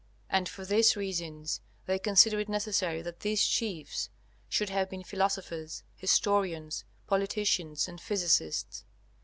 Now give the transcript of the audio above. And for these reasons, they consider it necessary that these chiefs should have been philosophers, historians, politicians, and physicists.